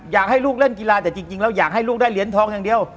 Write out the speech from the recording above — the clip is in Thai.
อยากให้ลูกเล่นกีฬาแต่จริงแล้วอยากให้ลูกได้เหรียญทองอย่างเดียว